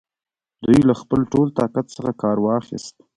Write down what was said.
دوی له خپل ټول طاقت څخه کار واخیست.